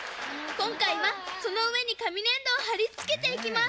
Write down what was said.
今回はそのうえにかみねんどをはりつけていきます